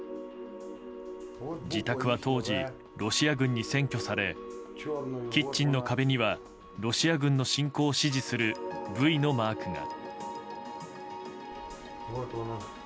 自宅は当時、ロシア軍に占拠されキッチンの壁にはロシア軍の侵攻を支持する「Ｖ」のマークが。